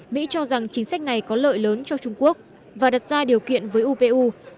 mỹ cho rằng chính sách này có lợi lớn cho trung quốc và đặt ra điều kiện với upu